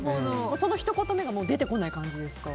そのひと言めが出てこない感じですか？